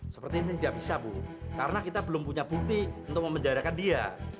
seperti ini tidak bisa bu karena kita belum punya bukti untuk memenjarakan dia